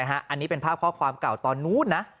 อันนี้เป็นภาพข้อความเก่าตอนนู้นนะ